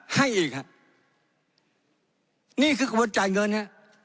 ให้อีกครับนี่คือกระบวนจ่ายเงินฮะ